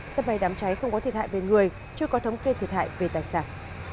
sắp bay đám cháy không có thiệt hại về người chưa có thống kê thiệt hại về tài sản